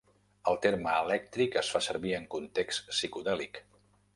El terme "elèctric" es fa servir en context psicodèlic.